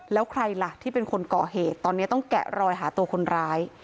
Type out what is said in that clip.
แล้วใครล่ะที่เป็นคนก่อเหตุตอนนี้ต้องแกะรอยหาตัวคนร้าย